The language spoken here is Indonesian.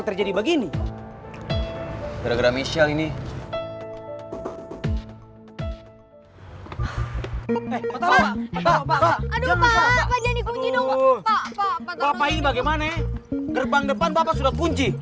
gerbang depan bapak sudah kunci